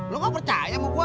lo gue percaya sama gue